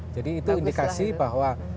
jadi itu indikasi bahwa